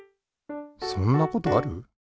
そんなことある？